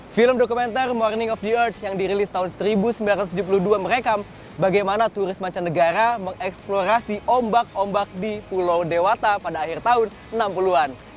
film dokumenter morning of dearch yang dirilis tahun seribu sembilan ratus tujuh puluh dua merekam bagaimana turis mancanegara mengeksplorasi ombak ombak di pulau dewata pada akhir tahun enam puluh an